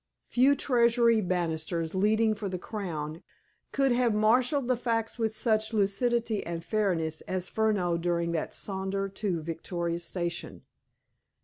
Few Treasury barristers, leading for the Crown, could have marshaled the facts with such lucidity and fairness as Furneaux during that saunter to Victoria Station.